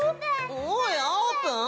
おいあーぷん。